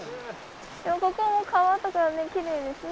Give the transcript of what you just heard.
ここも川とかきれいですね。